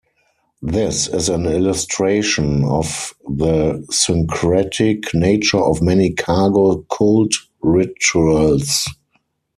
This is an illustration of the syncretic nature of many cargo cult rituals.